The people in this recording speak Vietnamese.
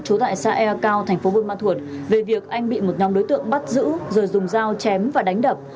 trú tại xa e cao tp bùi măn thuột về việc anh bị một nhóm đối tượng bắt giữ rồi dùng dao chém và đánh đập